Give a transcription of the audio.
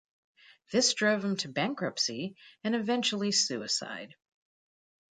This drove him to bankruptcy and eventually suicide.